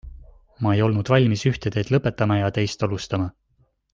Ma ei olnud valmis ühte teed lõpetama ja teist alustama.